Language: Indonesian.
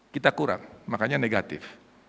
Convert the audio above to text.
kita kurang makanya negatif